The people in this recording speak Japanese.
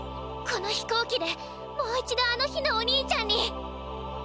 この飛行機でもう一度あの日のお兄ちゃんに！